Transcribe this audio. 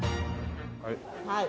はい。